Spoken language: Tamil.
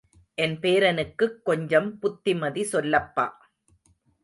என் பேரனுக்குக் கொஞ்சம் புத்திமதி சொல்லப்பா.